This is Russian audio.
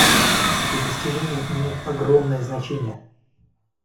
Эти достижения имеют огромное значение.